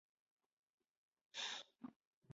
在多株反应中制造的抗体称为多株抗体。